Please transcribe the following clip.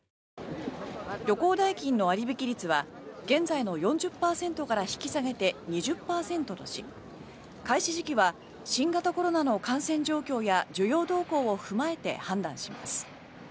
旅行代金の割引率は現在の４０％から引き下げて２０％とし開始時期は新型コロナの感染状況や需要動向を踏まえて判断します。